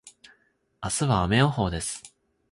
明日は雨予報です。